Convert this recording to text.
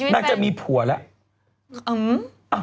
นางจะมีผัวแล้ว